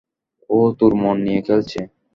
ও তোর মন নিয়ে খেলছে।